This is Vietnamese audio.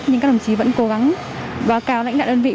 nhưng các đồng chí vẫn cố gắng và cao lãnh đạo đơn vị